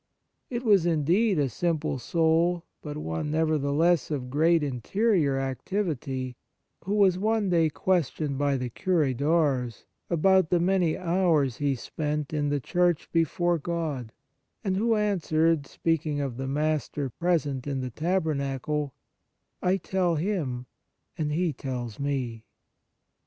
It was, indeed, a simple soul, but one, never theless, of great interior activity, who was one day questioned by the Cure* d'Ars about the many hours he spent 55 On Piety in 'the church before God, and who answered, speaking of the Master present in the tabernacle : "I tell Him, and He tells me."